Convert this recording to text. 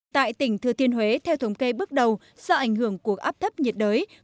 tại tỉnh thừa thiên huế theo thống kê bước đầu do ảnh hưởng của áp thấp nhiệt đới